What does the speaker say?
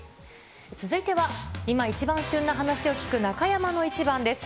続いては、今一番旬な話を聞く中山のイチバンです。